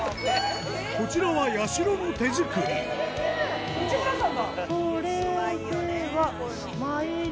こちらは、やしろの手作り。